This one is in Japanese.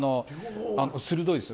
鋭いです。